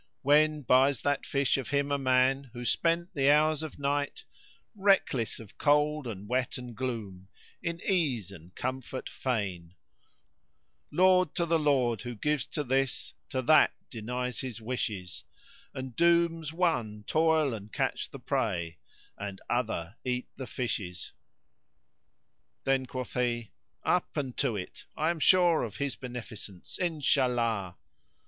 When buys that fish of him a man who spent the hours of night * Reckless of cold and wet and gloom in ease and comfort fain, Laud to the Lord who gives to this, to that denies his wishes * And dooms one toil and catch the prey and other eat the fishes.[FN#60] Then quoth he, "Up and to it; I am sure of His beneficence, Inshallah!"